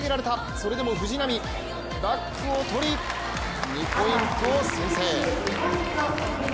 それでも藤波、バックをとり２ポイントを先制。